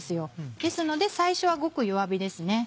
ですので最初はごく弱火ですね。